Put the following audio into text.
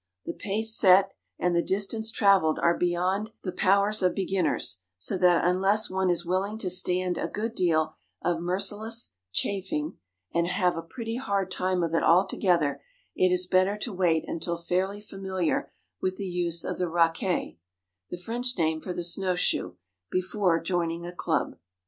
The pace set and the distance travelled are both beyond the powers of beginners, so that unless one is willing to stand a good deal of merciless chaffing, and have a pretty hard time of it altogether, it is better to wait until fairly familiar with the use of the raquet (the French name for the snow shoe) before joining a club.